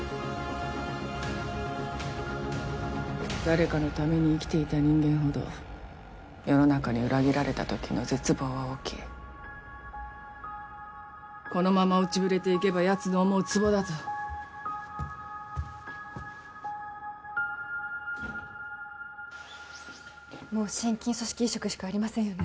誰かのために生きていた人間ほど世の中に裏切られた時の絶望は大きいこのまま落ちぶれていけばやつの思うツボだぞもう心筋組織移植しかありませんよね